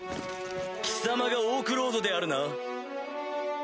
貴様がオークロードであるな？